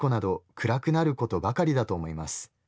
暗くなることばかりだと思います。